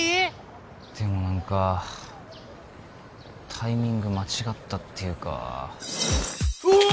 でも何かタイミング間違ったっていうかうおっ！